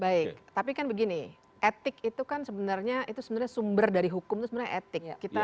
baik tapi kan begini etik itu kan sebenarnya itu sebenarnya sumber dari hukum itu sebenarnya etik